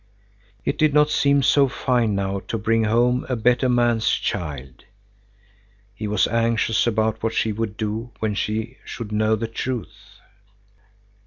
It did not seem so fine now to bring home a better man's child. He was anxious about what she would do when she should know the truth.